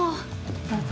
どうぞ。